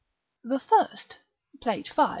The first, Plate V.